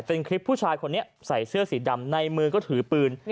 เป็นคลิปผู้ชายคนนี้ใส่เสื้อสีดำในมือก็ถือปืน